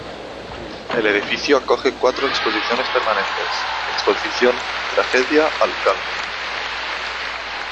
El edificio acoge cuatro exposiciones permanentes: Exposición Tragedia al call.